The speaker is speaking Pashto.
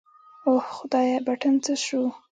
اوه خدايه بټن څه سو.